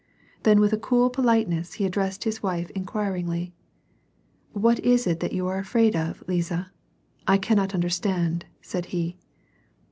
Then with a cool politeness he addressed his wife inquiringly, —" What is it that you are afraid of, Lisa. I cannot under stand," said he.